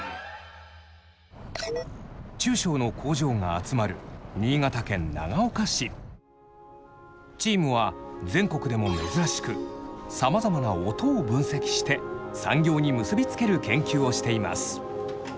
中小の工場が集まるチームは全国でも珍しくさまざまな音を分析して産業に結び付ける研究をしています。